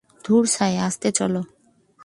ধুর ছাই, আস্তে চলো!